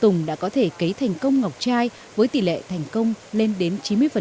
tùng đã có thể cấy thành công ngọc chai với tỷ lệ thành công lên đến chín mươi